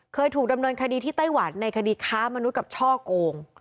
เคยถูกดำเนินคดีที่ไต้หวันในคดีค้ามนุษย์กับช่อโกง